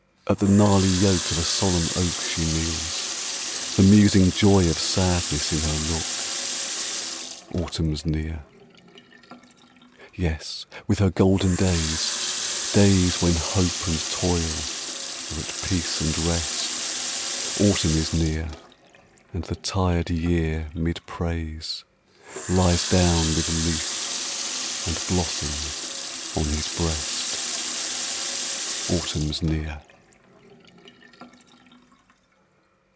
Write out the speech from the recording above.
At the gnarly yoke of a solemn oak she kneels, The musing joy of sadness in her look Autumn's near. Yes, with her golden days Days When hope and toil Are at peace and rest Autumn is near, and the tired year 'mid praise Lies down with leaf and blossom on his breast Autumn's near.